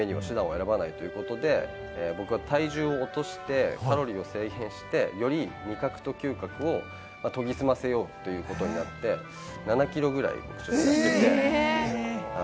絶対勝つために手段を選ばないということで、僕は体重を落としてカロリーを制限して、より味覚と嗅覚を研ぎ澄ませようということでやって、７キロぐらい落として。